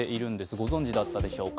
ご存じだったでしょうか。